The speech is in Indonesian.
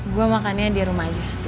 gue makannya di rumah aja